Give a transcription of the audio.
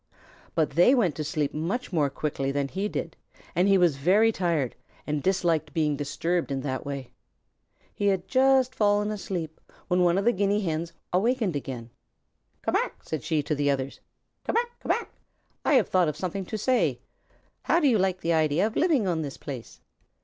But they went to sleep much more quickly than he did, and he was very tired and disliked being disturbed in that way. He had just fallen asleep when one of the Guinea Hens awakened again. "Ca mac!" said she to the others. "Ca mac! Ca mac! I have thought of something to say. How do you like the idea of living on this place?"